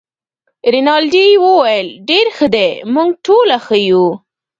رینالډي وویل: ډیر ښه دي، موږ ټوله ښه یو.